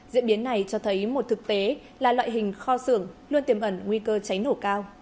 diễn biến này cho thấy một thực tế là loại hình kho xưởng luôn tiềm ẩn nguy cơ cháy nổ cao